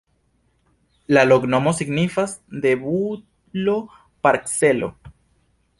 La loknomo signifas: betulo-parcelo.